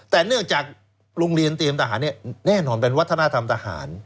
แต่เนื่องจากโรงเรียนเตรียมทหารแน่นอนเป็นวัฒนธรรมทหาร